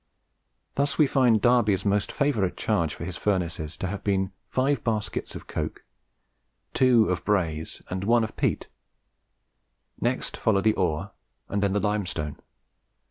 Thus we find Darby's most favourite charge for his furnaces to have been five baskets of coke, two of brays, and one of peat; next followed the ore, and then the limestone.